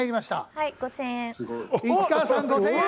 はい５０００円。